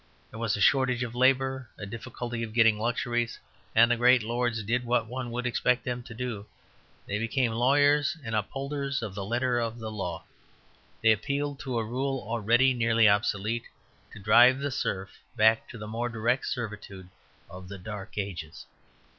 There was a shortage of labour; a difficulty of getting luxuries; and the great lords did what one would expect them to do. They became lawyers, and upholders of the letter of the law. They appealed to a rule already nearly obsolete, to drive the serf back to the more direct servitude of the Dark Ages.